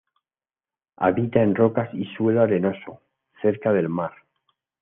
Habita en rocas y suelo arenoso, cerca del mar.